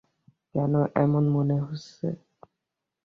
কেন এমন মনে হচ্ছে?